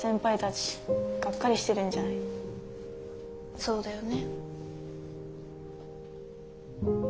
そうだよね。